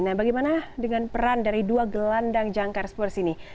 nah bagaimana dengan peran dari dua gelandang jangkar spurs ini